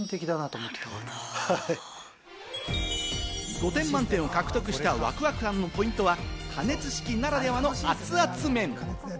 ５点満点を獲得したワクワク感のポイントは、加熱式ならではの熱々麺。